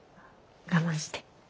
我慢して。